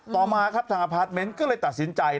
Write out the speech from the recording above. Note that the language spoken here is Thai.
ต่อมาครับทางอพาร์ทเมนต์ก็เลยตัดสินใจ